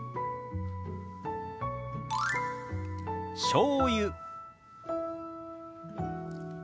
「しょうゆ」。